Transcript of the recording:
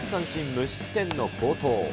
無失点の好投。